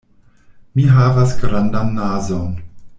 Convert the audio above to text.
Mi havas grandan nazon.